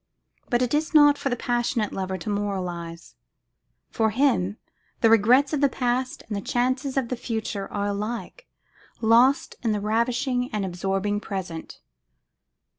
But it is not for the passionate lover to moralise. For him, the regrets of the past and the chances of the future are alike lost in the ravishing and absorbing present.